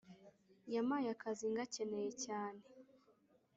Yamaye akazi nkakeneye cyane